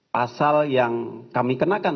pasal yang kami kenakan